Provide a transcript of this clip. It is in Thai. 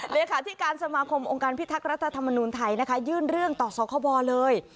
เลขาธิการสมาคมองค์การพิทักษ์รัฐธรรมนูญไทยนะคะยื่นเรื่องต่อสคบเลย